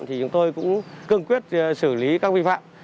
thì chúng tôi cũng cương quyết xử lý các vi phạm